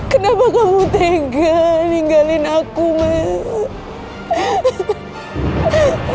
kenapa kamu tega ninggalin aku mah